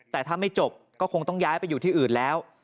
แต่ถ้าไม่จบก็คงต้องย้ายไปอยู่ที่อื่นแล้ว